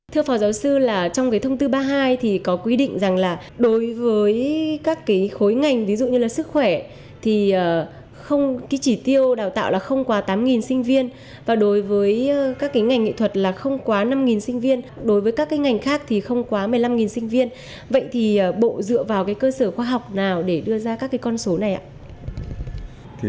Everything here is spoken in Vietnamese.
thưa phó giáo sư trong thông tư ba mươi hai thì có quy định rằng là đối với các khối ngành ví dụ như là sức khỏe thì trí tiêu đào tạo là không quá tám sinh viên và đối với các ngành nghệ thuật là không quá năm sinh viên đối với các ngành khác thì không quá một mươi năm sinh viên vậy thì bộ dựa vào cơ sở khoa học nào để đưa ra các con số này ạ